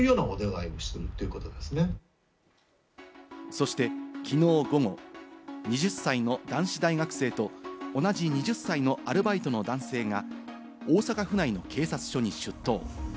そしてきのう午後、２０歳の男子大学生と同じ２０歳のアルバイトの男性が大阪府内の警察署に出頭。